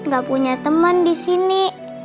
gak punya teman di sini